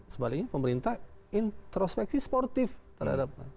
sebaliknya pemerintah introspeksi sportif terhadap